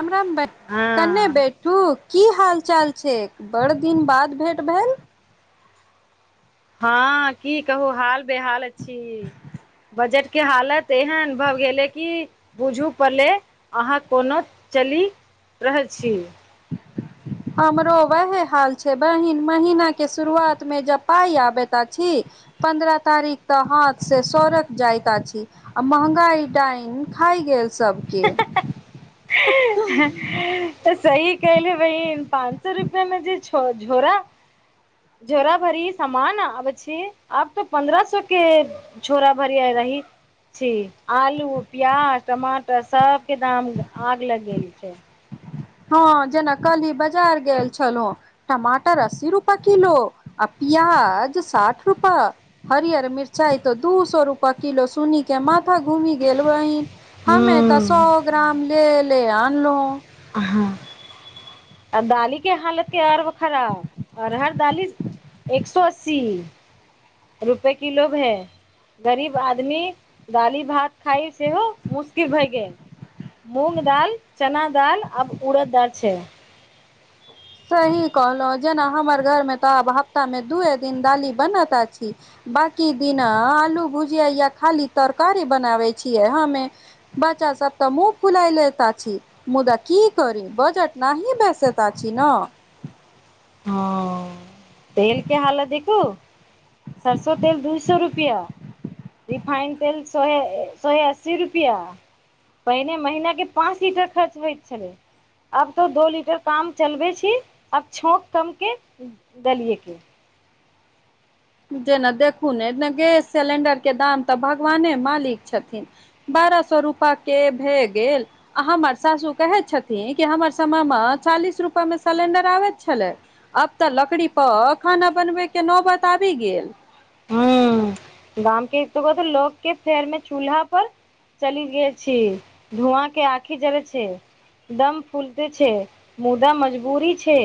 हमरा [unintelligible] कने हँ बैठू की हाल चाल छै? बड़ दिन बाद भेट भेल। हँ की कहू हाल बेहाल अछि। बजट के हालत एहन भऽ गेले कि बुझू पले अहाँ कोनो चलि रहल छी? हमरो वैहे हाल छै बहिन, महीना के शुरुआत मे जब पाय आबैत अछि पन्द्रह तारीख तक हाथ से सरैक जाइत अछि। आ मंहगाई डाइन खाय गेल सभके। हे तऽ सही कहलियै बहिन पाँच सए रुपए मे जे झो झोरा झोरा भरी समान आबै छी आब तऽ पन्द्रह सौ के झोरा भरि आय रही। छी, आलू, प्याज, टमाटर सबके दाम आग लगले छै। हँ जेना कल ही बजार गेल छलहुँ। टमाटर अस्सी रुपए किलो आ पिआज साठ रुपये। हरिअर मिरचाइ त दू सौ रुपया किलो सुनी के माथा घूमी गेल वही हमे हूँ तऽ सौ ग्राम ले ले आनलहु। हां। आर दालि के हालत के तऽ और खराब अरहर दालि एक सो अस्सी। रुपए किलो भै गरीब आदमी दालि भात खाइ सेहो मुश्किल भए गेल। मूँग दाल, चना दालि, आब उड़द छै। सही कहलहुँ जेना हमर घरमे तऽ आब हफ्तामे दुए दिन दालि बनैत आछि। बाकी दिना आलू भुजिया या खाली तरकारी बनाबैय छियै हमें। बच्चा सब तऽ मुँह फुलैल लैत अछी। मुदा की करी बजट नाही बैसत आछि ना। हँ तेल के हालत देखू सरसो तेल दू सौ रुपया। रिफाइन तेल सोहे सोहे अस्सी रुपया। पहिने महिना के पाँच लीटर खर्च होइत छलै। अब तो दो लीटर काम चलबे छी, अब छौंक कम के दलिये के। जेना देखू ने इतना गैस सलेंडर के दाम तऽ भगवाने मालिक छथिन। बारह सो रूपा के भेऽ गेल। आ हमर सासु कहैथ छथिन कि हमर समय में चालीस रुपा में सलेण्डर आबैत छलै। आब तऽ लकड़ी पर खाना बनबय के नौबत आबी गेल। हम्म गाम के दुगो [unintelligible] लोक के फेर में चूल्हा पर चली गय छी, धुआँ के आँखि जड़ैत छैय। दम फूलते छै मुदा मजबूरी छै।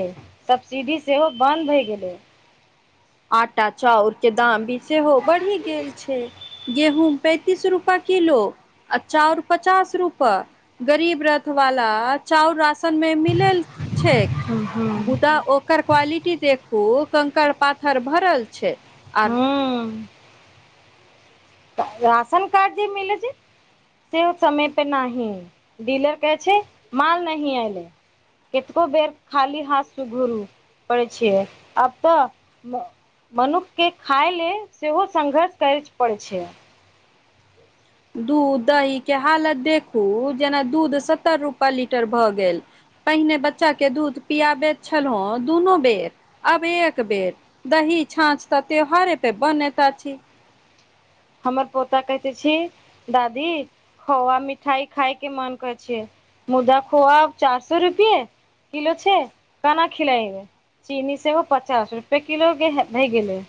सब्सिडी सेहो बन्द भय गेलै। आटा चाउर के दाम भी सेहो बढ़ी गेल छै गेहूँम पैंतीस रूपा। किलो आ चाउर पचास रुपा। गरीब रथ वाला चाउर राशन में मिलेल छै। मुदा ओकर क्वालिटी देखू कंकड़ पाथर भरल छै। आर हूं त राशन कार्ड जे मिलै छै। सेहो समय पे नाही डीलर कहै छै माल नहीं ऐले। केतको बेर खाली हाथ स गुरू पड़ै छिय आब तऽ मनुख के खाय ले सेहो संघर्ष कैच पड़ै छै। दूध दही के हालत देखू जेना दूध सत्तर रुपए लीटर भऽ गेल। पहिने बच्चा के दूध पियाबैत छलहुँ दुनू बेर। अब एक बेर दही, छाँछ तऽ त्यौहारे पे बनेत अछि। हमर पोता कहैत अछि दादी। खोआ मिठाइ खायके मन कर छै, मुदा खोआ आब चास रुपये। किलो छै काना खिलैइबे। चीनी सेहो पचास रुपैए किलोे भए गेलै।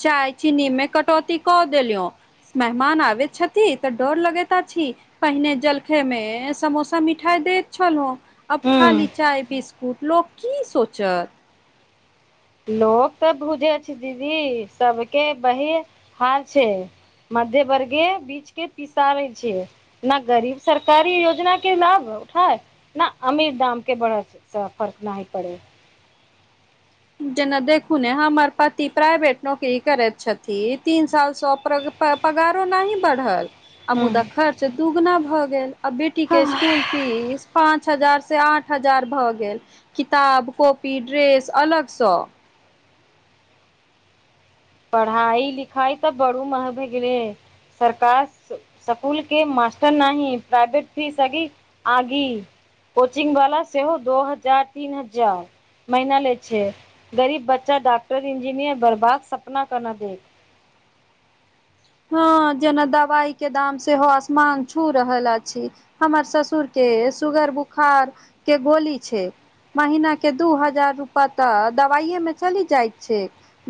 चाय चीनी मे कटौती कऽ देलियौ। मेहमान आबैत छथि तऽ डर लगेत अछी। पहिने जलखेमे समोसा मिठाइ दैत छलहु। आब खाली हूँ चाय बिस्कुट लोक की सोचत। लोक तऽ बुझे अछि दीदी सबके वही हाल छै। मध्यवर्गीय बीचके पिसारै छियै। ना गरीब सरकारी योजना के लाभ उठाए। ना अमीर दाम के बढ़त स फर्क नहि पड़ै। जेना देखू ने हमर पति प्राइवेट नौकरी करैत छथि। तीन सालसँ प्रा पगारो नाहि बढ़ल। आ हूँ मुदा खर्च दुगुना भ गेल, आ बेटी के स्कूल फीस पाच हजार से आठ हजार भ गेल, किताब कॉपी ड्रेस अलग स। पढ़ाइ - लिखाइ तऽ बरु महग भए गेलै। सरकार स्कूल के मास्टर नहि प्राइवेट फीस अगी। आगी कोचिंग वाला सेहो दो हजार तीन हजार। महिना लै छै गरीब बच्चा डॉक्टर इंजीनियर बनबाक सपना केना देख। हँ जेना दवाई के दाम सेहो असमान छू रहल अछि। हमर ससुर के सुगर बुखार के गोली छै। महिना के दू हजार रूपा तऽ दवाइए मे चलि जाइत छै।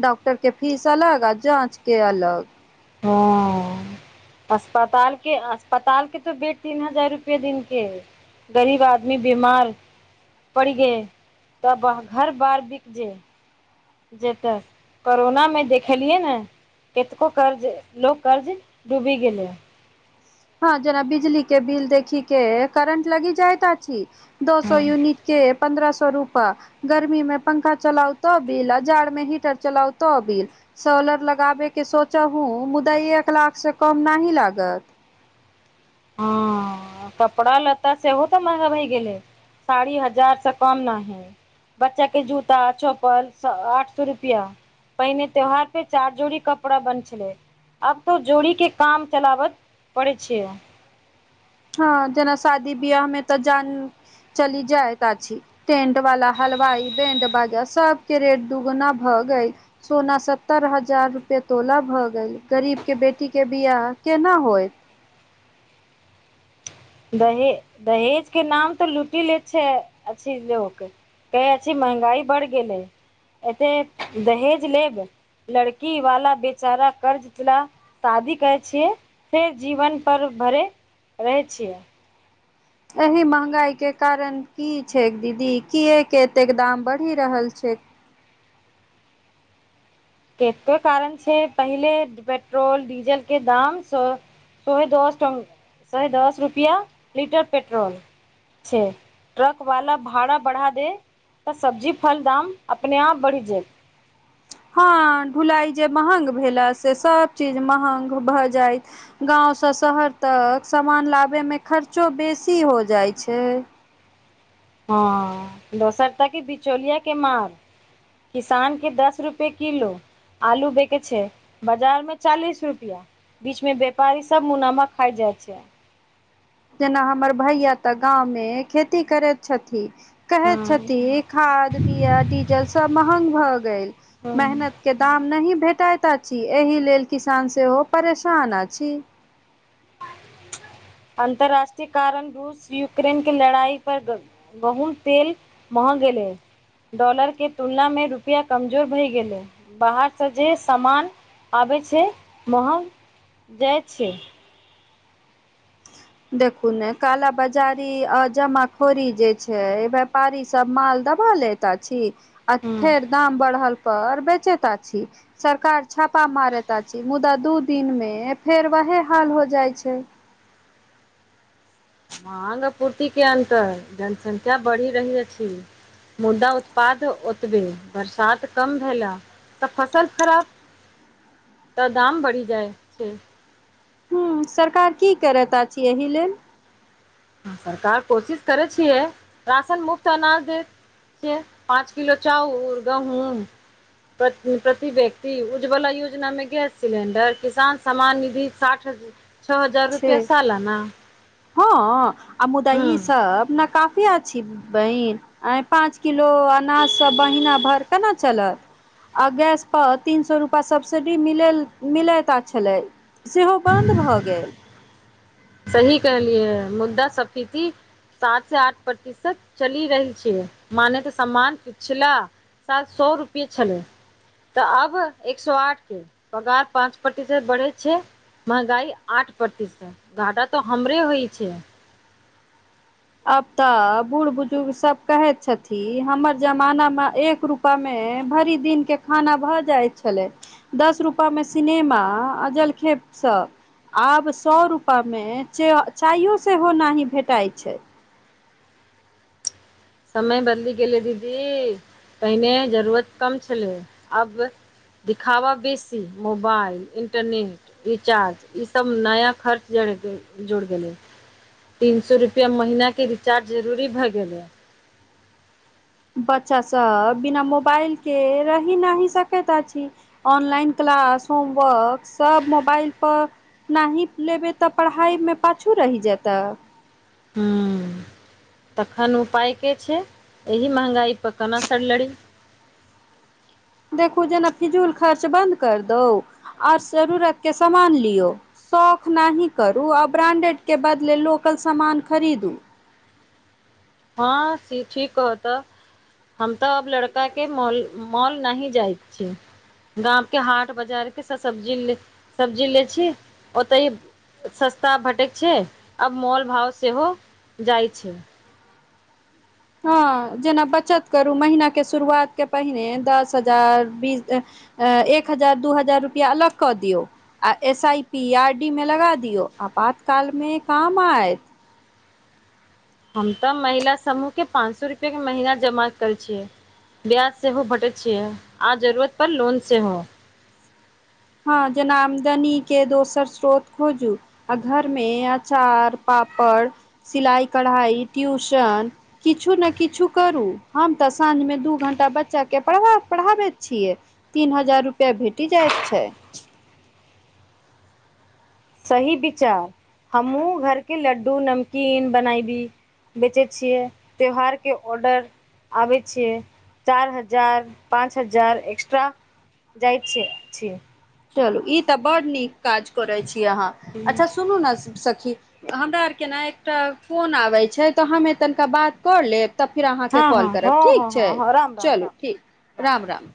डॉक्टर के फीस अलग आ जाँच के अलग। हँ। अस्पताल के अस्पताल के तऽ बेड तीन हजार रुपया दिन के है। गरीब आदमी बीमार। पड़ि गे तब घर बार बिक जेए। जे तऽ कोरोनामे देखलियै ने। केतको कर्ज लोको कर्ज डूबि गेलै। हँ जेना बिजली के बिल देखी के करेंट लगी जाय तऽ छी। दो सौ हँ यूनिट के पन्द्रह सौ रूपा। गर्मी में पंखा चलाउ तऽ बिल आ जाड़ मे हीटर चलाउ तऽ बिल। सोलर लगाबेके सोच हूँ मुदा एक लाख से कम नाहि लागत। हँ कपड़ा लत्ता सेहो तऽ महगा भए गेलै। साड़ी हजार से कम नाहि। बच्चा के जूता चप्पल आठ सौ रुपआ। पहिने त्योहार पे चार जोड़ी कपड़ा बन छलै। आब तऽ जोड़ीके काम चलाबत पड़ै छै। ह जेना शादी बियाह मे तऽ जान चली जायता छी। टेंट वाला हलवाई बैंड बाजा सबके रेट दुगुना भऽ गई। सोना सत्तर हजार रुपए तोला भऽ गेल गरीबके बेटीके बियाह केना होइत। दहे दहेज के नाम तऽ लुटि ले छै अछि लोक। केहछी महंगाई बड़ गेलै एते दहेज लेब। लड़की वाला बेचारा कर्ज चला शादी करै छियै फेर जीवनपर भरैत रहै छियै। एहि महँगाईके कारण की छैक दीदी किएक एतेक दाम बढ़ि रहल छै। एके कारण छै पहिले पेट्रोल डीजल के दाम स सोहे दस सहे दस रुपआ लीटर पेट्रोल से ट्रक वाला भाड़ा बढ़ा दे तऽ सब्जी फल दाम अपने आप बाढ़ि जायत। हँ ढुलाई जे मंहग भेल से सभ चीज मंहग भऽ जाइत। गाँवसँ शहर तक समान लाबैमे खर्चो बेसी हो जाइ छै। हँ दोसर ताकी बिचौलिया के माल। किसानके दस रुपे किलो। आलू बेके छै बजार में चालीस रुपआ। बीच में व्यापारी सब मुनामा खाय जाय छै। जेना हमर भैया तऽ गाँवमे खेती करैत छथि कहे हँ छथि। खाद बिया डीजल सब महंग भऽ गेल हँ मेहनत के दाम नही भेटत अ छी एहि लेल किसान सेहो परेशान अछि। अन्तर्राष्ट्रीय कारण रूस यूक्रेन के लड़ाई पर ग बहुत तेल महंग गेलै। डॉलरके तुलना मे रुपया कमजोर भए गेलैय, बाहरसँ जे सामान आबैय छैय वहाँ जाइ छैय। देखू ने काल बाजारी आ जमाखोरी जे छैय व्यापारी सब माल दबा लेत अछि आ हँ फेर दाम बढ़ल पर बेचैता अछि। सरकार छापा मारैत अछि मुदा दू दिनमे फेर वहे हाल हो जाइ छैय। मांग आपूर्तिके अन्तर जनसंख्या बढ़ि रहल अछि। मुदा उत्पाद ओतबे, बरसात कम भेला। त फसल खराब त दाम बढ़ि जाइ छैय। ह सरकार की करैत अछि एहि लेल। सरकार कोशिश करै छियै राशन मुफ्त अनाज देत छैय, पाँच किलो चाउर, गहूंम प्रति व्यक्ति उज्जवला योजनामे गैस सिलेंडर किसान समान निधि साठि छओ हजार छै रुपैआ सालाना हँ आ मुुदा इ हूँ सब न काफी अछि बहिन आ इ पाँच किलो अनाज सभ महीना भरि केना चलत। आ गैस पर तीन सए रुपआ सब्सिडी मिलैल मिलैत छलै सेहो बन्द भऽ गेल। सही कहलियएै मुद्दा सब्सिडी सात से आठ प्रतिशत चलि रहल छैय माने की सम्मान पिछला साल सए रुपैए छलै तऽ अब एक सए आठ भेल। पगार पाँच प्रतिशत बढ़ैय छैय। महंगाई आठ प्रतिशत घाटा तऽ हमरे होइ छैय। आब तऽ बूढ़ बुजुर्ग सभ कहैत छथिन हमर जमाना मे एक रुपैया मे भरि दिनके खाना भऽ जाइ छलै। दस रुपैयामे सिनेमा आ जलखै सब। आब सौ रुपामे चायो सेहो नै भेटइ छैय। समय बदलि गेलै दीदी पहिने जरूरत कम छलै अब दिखावा बेसी मोबाइल, इन्टरनेट रिचार्ज इ सब नया खर्च जुड़ि गेलै। तीन सौ रुपया महिनाके रिचार्ज जरूरी भए गेलय। बच्चा सभ बिना मोबाइलके रहि नहि सकैत अछि। ऑनलाइन क्लास, होमवर्क सब मोबाइल पर नहि लेबैय त पढ़ाइमे पाछू रहि जेतैय। ह तखन उपाय कि छैय एहि महंगाइ पर कोना सड़लड़ी देखू जेना फिजूल खर्च बन्द कर दौ और जरूरतके समान लियौ। शौख नहि करू आ ब्रांडेडके बदले लोकल समान खरीदू। हँ से ठीक [unintelligible] हम त अब लड़काके मॉल, मॉल नहि जाइत छी। गामके हाट बाजारके सब्जी, सब्जी लय छी ओतय सस्ता भेटैत छैय आब मोल भाव सेहो जाइ छैय। हँ जेना बचत करू महिनाके शुरुआत के पहिने दस हजार बीस एक हजार, दू हजार रुपैया अलग कऽ दियौ। आ S- I- P, R- D मे लगा दियौ, आपातकालमे काम आयत। हम त महिला समूहके पाँच सए रुपैयाके महिना जमा करय छियै। ब्याज सेहो भेटैय छियै आ जरूरत पर लोन सेहो। हँ जेना आमदनी के दोसर स्रोत खोजू। आ घर मे अचार, पापड़, सिलाई, कढ़ाई, ट्यूशन किछु ने किछु करू, हम तऽ साँझ मे दू घण्टा बच्चा के पढ़ा पढ़ाबैत छियै। तीन हजार रुपैया भेटी जाइत छै। सही बिचार हमहुँ घर के लड्डू, नमकीन बनाई दी। बेचै छियै त्यौहार के ऑर्डर। आबै छियै चारि हजार पाँच हजार एक्स्ट्रा जाइ छियै छियै। चलू ई तऽ बड् नीक काज करै छी अहाँ अच्छा सुनू ने सखी हमरा आर के ने एकटा फोन आबै छै तऽ हममे तनिका बाद कर लेब तब फिर हँ अहाँके हँ कॉल करब हँ ठीक हँ छै, हँ राम राम राम चलू राम ठीक राम राम।